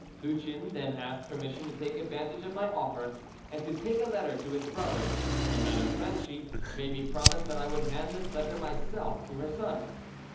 Lucien then asked permission to take advantage of my offer, and to take a letter to his brother; and Madame Franchi made me promise that I would hand this letter myself to her son.